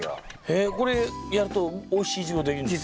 えっこれやるとおいしいイチゴができるんですか？